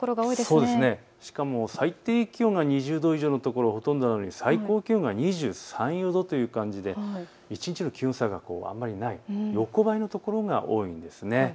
最低気温が２０度以上の所がほとんどなのに最高気温が２３、２４度という感じで一日の気温差があまりない、横ばいの所が多いんです。